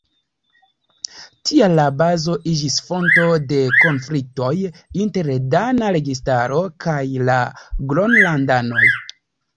Tial la bazo iĝis fonto de konfliktoj inter dana registaro kaj la Gronlandanoj.